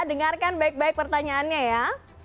dengarkan baik baik pertanyaannya ya